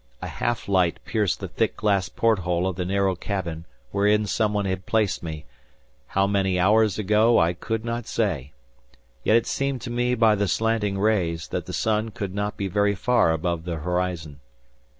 A half light pierced the thick glass port hole of the narrow cabin wherein someone had placed me—how many hours ago, I could not say! Yet it seemed to me by the slanting rays, that the sun could not be very far above the horizon.